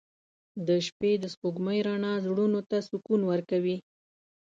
• د شپې د سپوږمۍ رڼا زړونو ته سکون ورکوي.